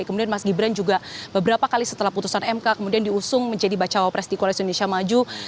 kemudian mas gibran juga beberapa kali setelah putusan mk kemudian diusung menjadi bacawa pres di koalisi indonesia maju